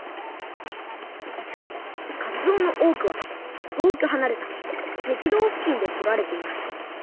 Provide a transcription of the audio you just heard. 実はかつおの多くは遠くはなれた赤道付近で取られています。